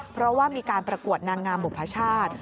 เพราะว่ามีการประกวดนางงามบุพชาติ